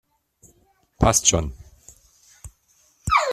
Passt schon!